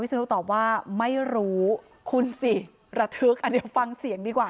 สนุตอบว่าไม่รู้คุณสิระทึกอ่ะเดี๋ยวฟังเสียงดีกว่า